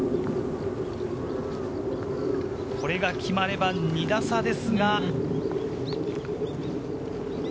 これが決まれば２打差ですが。